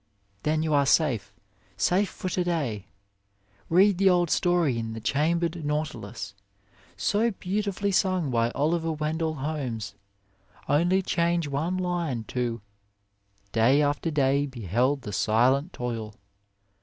Then you are safe, safe for to day ! Read the old story in the Chambered Nautilus, so beautifully sung by Oliver Wendell Holmes, only 23 A WAY change one line to " Day after day beheld the silent toil."